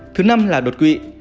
thứ năm là đột quỵ